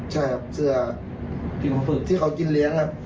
ใช่ครับเสื้อที่เขากินเลี้ยง